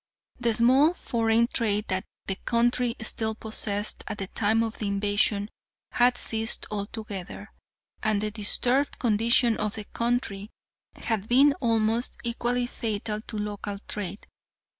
The small foreign trade that the country still possessed at the time of the invasion had ceased altogether, and the disturbed condition of the country had been almost equally fatal to local trade.